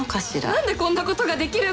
なんでこんなことができるの？